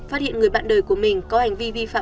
phát hiện người bạn đời của mình có hành vi vi phạm